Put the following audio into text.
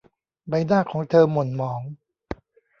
ใบหน้าของเธอหม่นหมอง